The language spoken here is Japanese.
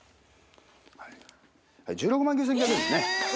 １６万９，９００円ですね。